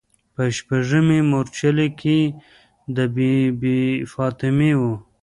په شپږمې مورچلې کې د بي بي فاطمې و.